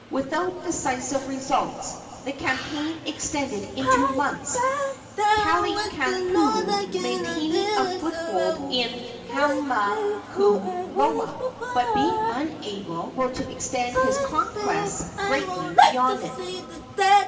Without decisive results, the campaign extended into months, Kalaniopuu maintaining a foothold in Hamakualoa, but being unable to extend his conquests greatly beyond it.